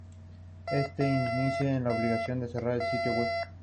Este incidente la obligó a cerrar el sitio web.